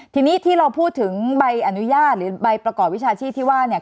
ทีนี้ที่เราพูดถึงใบอนุญาตหรือใบประกอบวิชาชีพที่ว่าเนี่ย